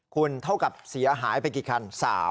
คุณเท่ากับเสียหายไปกี่คัน